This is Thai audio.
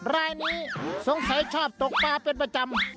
รายนี้สงสัยชอบตกปลาเป็นประจำ